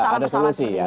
harusnya kan ada solusi ya